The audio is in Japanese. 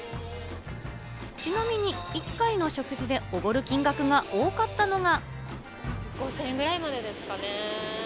ちなみに一回の食事でおごる金額が多かったのが。